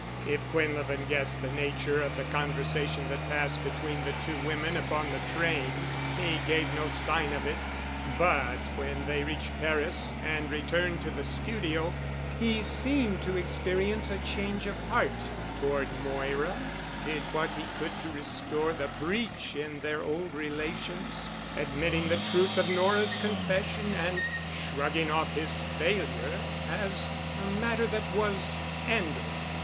If Quinlevin guessed the nature of the conversation that passed between the two women upon the train he gave no sign of it, but when they reached Paris and returned to the studio, he seemed to experience a change of heart toward Moira, did what he could to restore the breach in their old relations, admitting the truth of Nora's confession and shrugging off his failure as a matter that was ended.